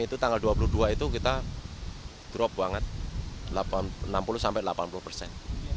di hari h tanggal dua puluh dua itu kita drop banget enam puluh delapan puluh persen